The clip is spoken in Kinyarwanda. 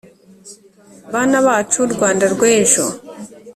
bana bacu rwanda rw’ejo